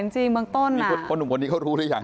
มีคนหนุ่มที่เขารู้หรือยัง